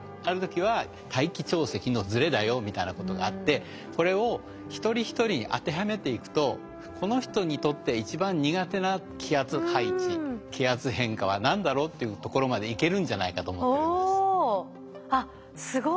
ある時は大気潮汐のズレだよみたいなことがあってこれを一人一人当てはめていくとこの人にとって一番苦手な気圧配置気圧変化は何だろうというところまでいけるんじゃないかと思ってるんです。